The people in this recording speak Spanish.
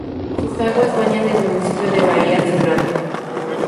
Sus aguas bañan el municipio de Bahía Solano.